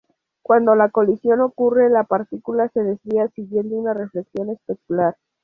Cuando la colisión ocurre, la partícula se desvía siguiendo una reflexión especular.